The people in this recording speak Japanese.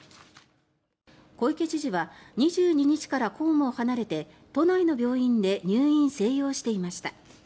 小池知事は２２日から公務を離れて都内の病院で入院・静養していました。